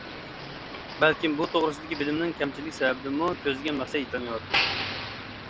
بەلكىم بۇ توغرىسىدىكى بىلىمنىڭ كەمچىللىك سەۋەبىدىنمۇ كۆزلىگەن مەقسەت يىتەلمەيۋاتىدۇ.